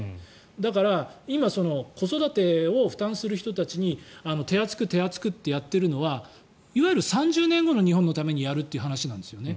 だから今、子育てを負担する人たちに手厚く、手厚くとやっているのはいわゆる３０年後の日本のためにやるという話なんですよね。